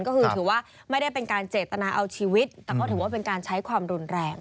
ก็คือถือว่าไม่ได้เป็นการเจตนาเอาชีวิตแต่ก็ถือว่าเป็นการใช้ความรุนแรง